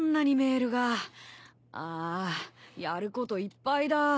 あーやることいっぱいだぁ。